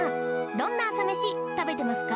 どんな朝メシ食べてますか？